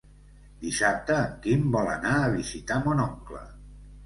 Dissabte en Quim vol anar a visitar mon oncle.